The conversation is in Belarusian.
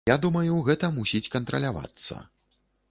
Я думаю, гэта мусіць кантралявацца.